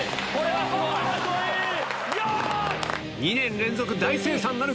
２年連続大精算なるか。